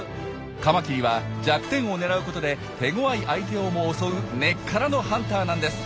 カマキリは弱点を狙うことで手ごわい相手をも襲う根っからのハンターなんです。